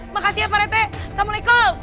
makasih ya pak rete assalamualaikum